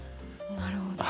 なるほど。